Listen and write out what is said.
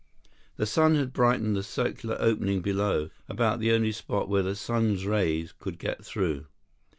The sun had brightened the circular opening below, about the only spot where the sun's rays could get through.